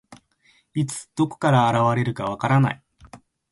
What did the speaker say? いつ、どこから現れるか分からない。